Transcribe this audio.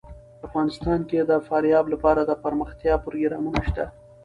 افغانستان کې د فاریاب لپاره دپرمختیا پروګرامونه شته.